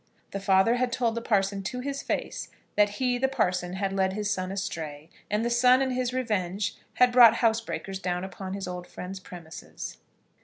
The father had told the parson to his face that he, the parson, had led his son astray; and the son in his revenge had brought housebreakers down upon his old friend's premises.